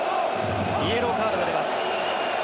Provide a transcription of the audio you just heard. イエローカードが出ます。